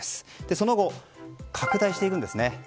その後、拡大していくんですね。